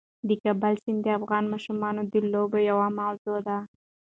د کابل سیند د افغان ماشومانو د لوبو یوه موضوع ده.